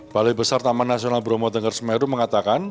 balai besar taman nasional bromo tengger semeru mengatakan